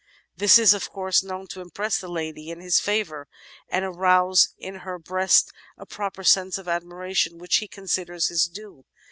"This is, of course, done to impress the lady in his favour, and arouse in her breast a proper sense of admiration, which he considers his due.